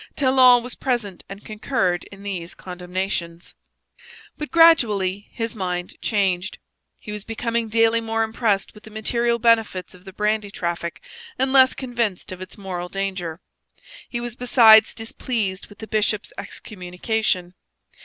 Talon was present and concurred in these condemnations. But gradually his mind changed. He was becoming daily more impressed with the material benefits of the brandy traffic and less convinced of its moral danger. He was besides displeased with the bishop's excommunication.